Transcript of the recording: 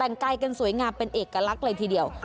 แต่งกายกันสวยงามเป็นเอกลักษณ์เลยทีเดียว